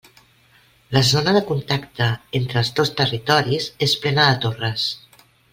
La zona de contacte entre els dos territoris és plena de torres.